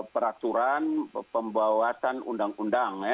peraturan pembawasan undang undang